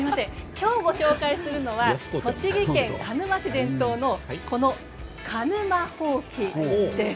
今日ご紹介するのは栃木県鹿沼市伝統のこの鹿沼ほうきです。